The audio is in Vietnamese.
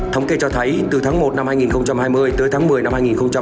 thống kê cho thấy từ tháng một năm hai nghìn hai mươi tới tháng một mươi năm hai nghìn hai mươi